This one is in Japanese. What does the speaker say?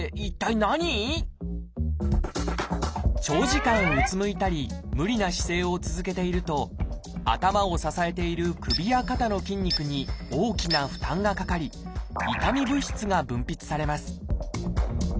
長時間うつむいたり無理な姿勢を続けていると頭を支えている首や肩の筋肉に大きな負担がかかり痛み物質が分泌されます